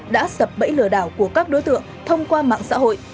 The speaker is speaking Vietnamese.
đã sập bẫy lừa đảo của các đối tượng thông qua mạng xã hội